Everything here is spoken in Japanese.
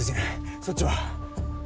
そっちは？